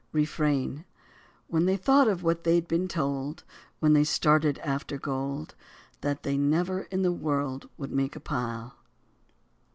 Refrain: Then they thought of what they'd been told When they started after gold, That they never in the world would make a pile.